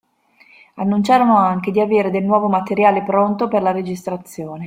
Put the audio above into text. Annunciarono anche di avere del nuovo materiale pronto per la registrazione.